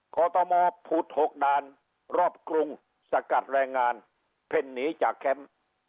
ตมผุด๖ด่านรอบกรุงสกัดแรงงานเพ่นหนีจากแคมป์